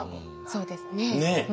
そうですね。